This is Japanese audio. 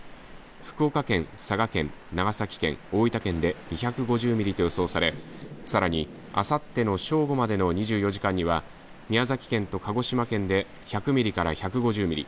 福岡県、佐賀県長崎県、大分県で２５０ミリと予想されさらに、あさっての正午までの２４時間には宮崎県と鹿児島県で１００ミリから１５０ミリ